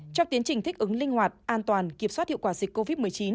trong tiến trình thích ứng linh hoạt an toàn kiểm soát hiệu quả dịch covid một mươi chín